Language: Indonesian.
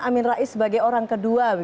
amin rais sebagai orang kedua